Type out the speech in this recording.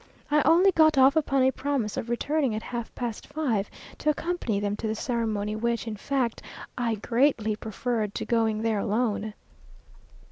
I only got off upon a promise of returning at half past five to accompany them to the ceremony, which, in fact, I greatly preferred to going there alone.